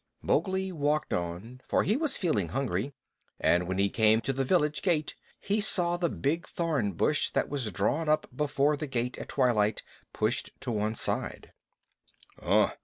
Mowgli walked on, for he was feeling hungry, and when he came to the village gate he saw the big thorn bush that was drawn up before the gate at twilight, pushed to one side.